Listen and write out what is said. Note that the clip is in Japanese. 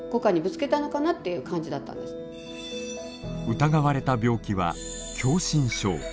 疑われた病気は狭心症。